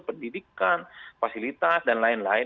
pendidikan fasilitas dan lain lain